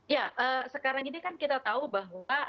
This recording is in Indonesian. ya sekarang ini kan kita tahu bahwa